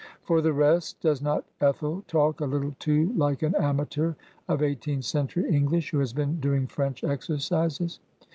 For the rest, does not Ethel talk a little too like an amateur of eighteenth century English, who has been doing French exercises?